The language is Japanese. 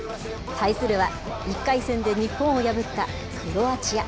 対するは、１回戦で日本を破ったクロアチア。